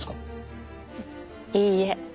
いいえ。